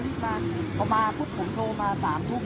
ตอนนี้กำหนังไปคุยของผู้สาวว่ามีคนละตบ